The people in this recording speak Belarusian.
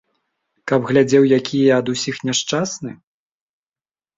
Каб глядзеў, які я ад усіх няшчасны?